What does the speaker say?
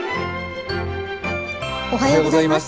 おはようございます。